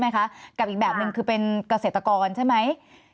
กับอีกแบบหนึ่งคือเป็นเกษตรกรใช่ไหม